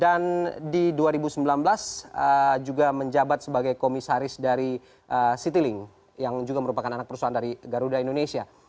dan di dua ribu sembilan belas juga menjabat sebagai komisaris dari citilink yang juga merupakan anak perusahaan dari garuda indonesia